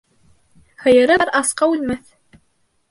Һыйыры бар асҡа үлмәҫ.